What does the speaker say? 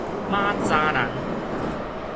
馬查蘭